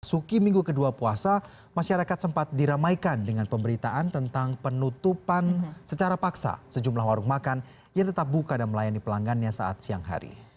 masuki minggu kedua puasa masyarakat sempat diramaikan dengan pemberitaan tentang penutupan secara paksa sejumlah warung makan yang tetap buka dan melayani pelanggannya saat siang hari